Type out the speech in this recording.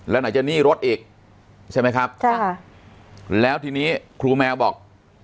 แล้วหน่อยจะหนี้รถอีกใช่ไหมครับแล้วทีนี้ครูแมวบอก